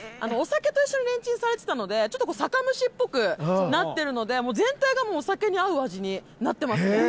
お酒と一緒にレンチンされてたのでちょっと酒蒸しっぽくなってるのでもう全体がお酒に合う味になってますね。